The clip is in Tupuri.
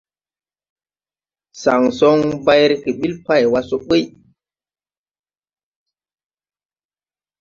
Saŋ soŋ bay rege ɓil pay wa so buy.